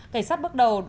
cảnh sát bắt đầu xác định